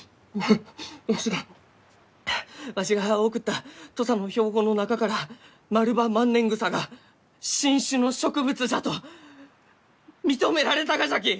わわしがわしが送った土佐の標本の中からマルバマンネングサが新種の植物じゃと認められたがじゃき！